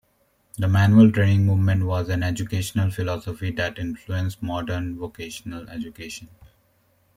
The Manual Training movement was an educational philosophy that influenced modern vocational education.